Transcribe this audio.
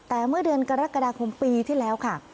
แต่เมื่อเดือนกรกฎาคมปีที่แล้วค่ะ